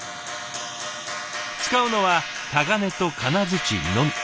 使うのはタガネと金づちのみ。